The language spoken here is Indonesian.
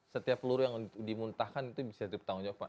setiap peluru yang dimuntahkan itu bisa dipertanggungjawabkan